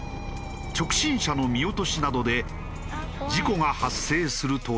直進車の見落としなどで事故が発生するというのだ。